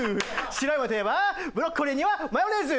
白いものといえばブロッコリーにはマヨネーズ！